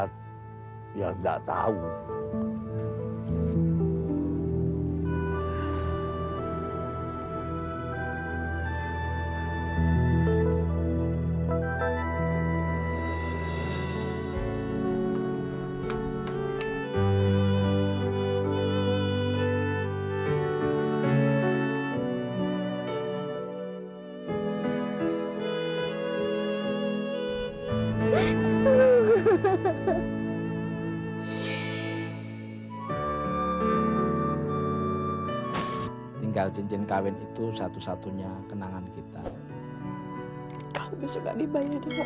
tinggal cincin kawin itu satu satunya kenangan kita kamu sudah dibayar dengan